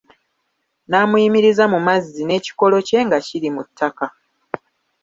N'amuyimiriza mu mazzi n'ekikolo kye nga kiri mu ttaka.